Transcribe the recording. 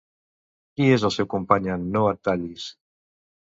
Qui és el seu company en No et tallis?